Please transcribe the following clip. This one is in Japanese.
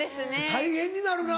大変になるな。